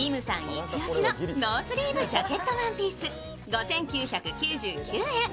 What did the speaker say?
イチ押しのノースリーブジャケットワンピース５９９９円。